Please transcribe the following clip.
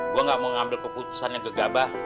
gue gak mau ngambil keputusan yang gegabah